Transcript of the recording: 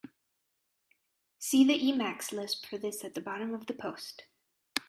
See the Emacs lisp for this at the bottom of the post.